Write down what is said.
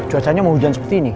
cuacanya mau hujan seperti ini